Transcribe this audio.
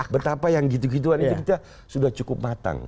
betapa yang gitu gituan itu kita sudah cukup matang